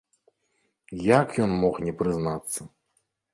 Як ён мог не прызнацца?!